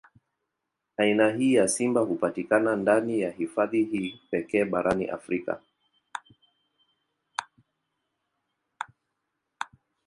Aina hii ya simba hupatikana ndani ya hifadhi hii pekee barani Afrika.